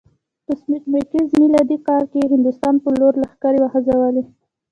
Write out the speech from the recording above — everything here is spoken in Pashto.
په سپوږمیز میلادي کال یې هندوستان په لور لښکرې وخوزولې.